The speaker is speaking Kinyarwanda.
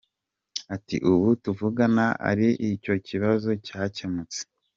Ati “Ubu tuvugana ariko icyo kibazo cyakemutse.